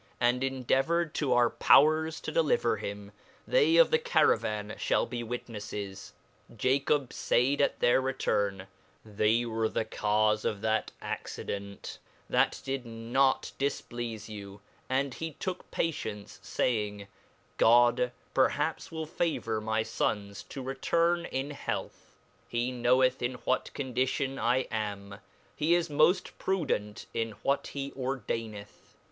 and endeavored to our power to deliver him, they of the Cardvan ihal be witnefles.J'^r^/^ faid at their return, they were the caufe of that accidcnt, that did not difpleafe you; and he took patience, laying, God perhaps will favour my fons to return in health ; he knovveth in what condition I am, he is mbft prudent in what he ordaineth.